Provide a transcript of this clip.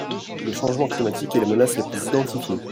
Le changement climatique est la menace la plus identifiée.